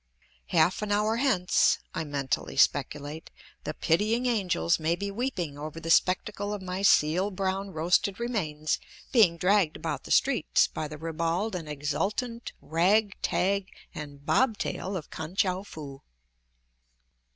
"Half an hour hence," I mentally speculate, "the pitying angels may be weeping over the spectacle of my seal brown roasted remains being dragged about the streets by the ribald and exultant rag, tag, and bobtail of Kan tchou foo."